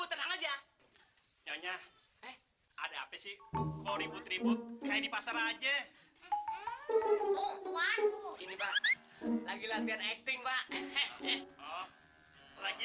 tenang aja nyonya ada apa sih kau ribut ribut kayak di pasar aja lagi latihan acting lagi